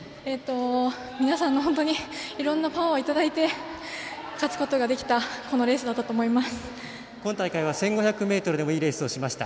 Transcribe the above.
皆さんに本当にいろんなパワーをいただいて勝つことができた今大会１５００でもいいレースでした。